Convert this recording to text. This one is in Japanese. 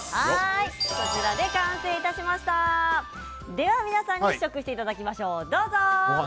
では皆さんに試食していただきましょう。